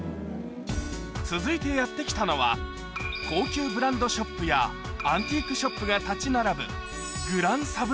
続いてやって来たのは高級ブランドショップやアンティークショップが立ち並ぶ